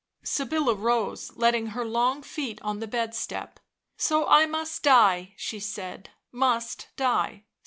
Sybilla rose, setting her long feet on the bed step. " So I must die," she said —" must die.